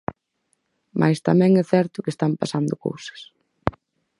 Mais tamén é certo que están pasando cousas.